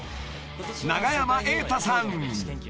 ［永山瑛太さん